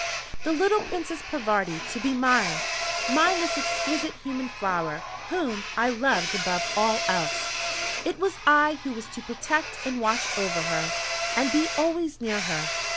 The little Princess Parvati to be mine! Mine this exquisite human flower whom I loved above all else! It was I who was to protect and watch over her, and be always near her!